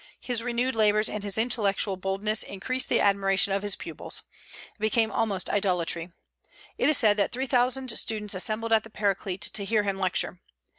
His renewed labors and his intellectual boldness increased the admiration of his pupils. It became almost idolatry. It is said that three thousand students assembled at the Paraclete to hear him lecture.